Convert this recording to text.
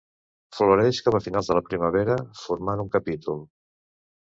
Floreix cap a finals de la primavera formant un capítol.